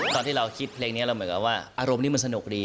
ตอนที่เราคิดเพลงนี้เราเหมือนกับว่าอารมณ์นี้มันสนุกดี